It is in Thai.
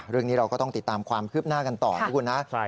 เรื่องนี้เราก็ต้องติดตามความคืบหน้ากันต่อนะคุณนะ